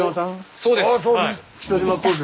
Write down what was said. そうです！